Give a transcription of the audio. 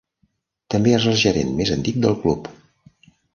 També és el gerent més antic de club.